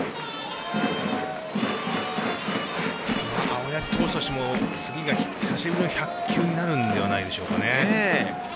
青柳投手としても次が久しぶりの１００球になるのではないでしょうかね。